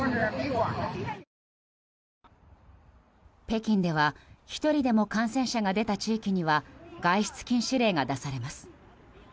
北京では１人でも感染者が出た地域には外出禁止令が出されます。